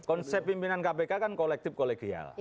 konsep pimpinan kpk kan kolektif kolegial